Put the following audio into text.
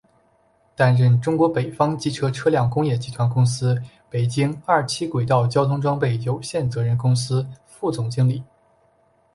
担任中国北方机车车辆工业集团公司北京二七轨道交通装备有限责任公司副总经理。